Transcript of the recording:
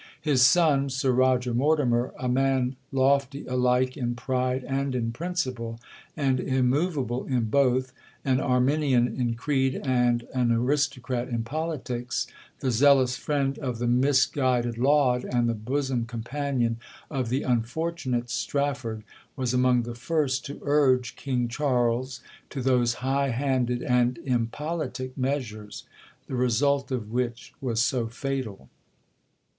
His son, Sir Roger Mortimer, a man lofty alike in pride and in principle, and immoveable in both,—an Arminian in creed, and an aristocrat in politics,—the zealous friend of the misguided Laud, and the bosom companion of the unfortunate Strafford,—was among the first to urge King Charles to those high handed and impolitic measures, the result of which was so fatal.